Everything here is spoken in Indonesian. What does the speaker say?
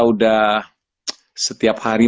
sudah setiap hari